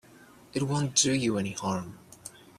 It won't do you any harm.